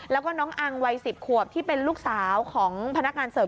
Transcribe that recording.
แล้วก็น้องอังวัย๑๐ขวบที่เป็นลูกสาวของพนักงานเสิร์ฟ